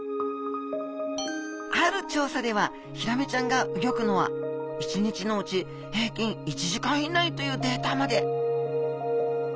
ある調査ではヒラメちゃんがうギョくのは１日のうち平均１時間以内というデータまで！